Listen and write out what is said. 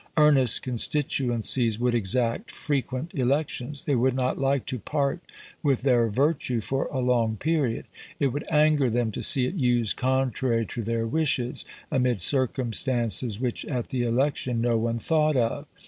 Earnest constituencies would exact frequent elections; they would not like to part with their virtue for a long period; it would anger them to see it used contrary to their wishes, amid circumstances which at the election no one thought of.